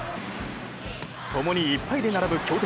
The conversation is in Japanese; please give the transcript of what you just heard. ともに１敗で並ぶ強敵